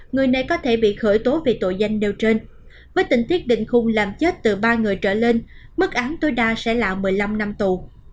người này có thể bị khởi tố về tội danh nêu trên với tình tiết định khung làm chết từ ba người trở lên mức án tối đa sẽ là một mươi năm năm tù